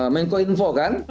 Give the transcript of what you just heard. menko info kan